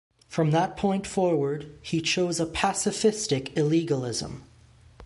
From that point forward, he choose a pacifistic illegalism.